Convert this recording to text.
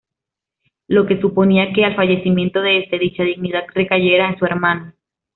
Lo que suponía que al fallecimiento de este, dicha dignidad recayera en su hermano.